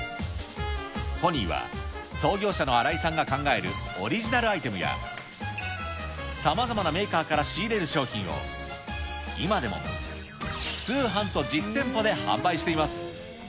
ポニーは創業者の荒井さんが考えるオリジナルアイテムや、さまざまなメーカーから仕入れる商品を、今でも通販と実店舗で販売しています。